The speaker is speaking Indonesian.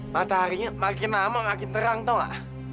mataharinya makin lama makin terang tau ga